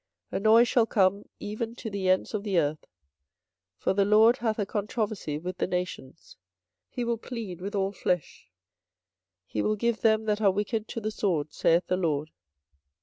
24:025:031 A noise shall come even to the ends of the earth; for the LORD hath a controversy with the nations, he will plead with all flesh; he will give them that are wicked to the sword, saith the LORD.